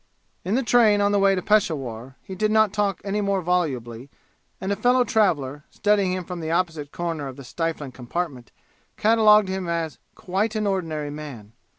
In the train on the way to Peshawur he did not talk any more volubly, and a fellow traveler, studying him from the opposite corner of the stifling compartment, catalogued him as "quite an ordinary man."